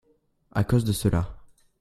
À cause de cela.